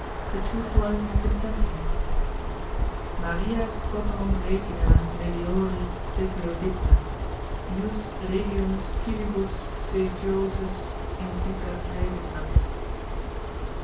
The two following have been sent to me: "Maria Scotorum Regina meliori seculo digna, jus regiitm civibus seditiosis invita resignat."